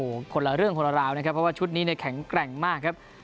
โอ้โหคนละเรื่องคนราวนะครับเพราะว่าชุดนี้เนี่ยแข็งแกร่งมากครับ